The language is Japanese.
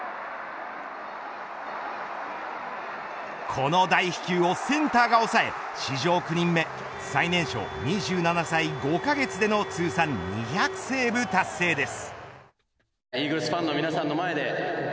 この大飛球をセンターが抑え史上９人目最年少２７歳５カ月での通算２００セーブ達成です。